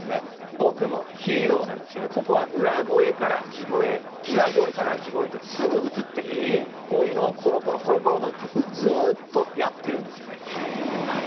「僕も」「ヒーロー」なんですけどここは裏声から地声裏声から地声とすぐ移ってくこういうのをころころころころと曲ずっとやってるんですよね